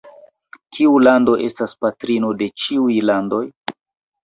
Kiu lando estas patrino de ĉiuj landoj?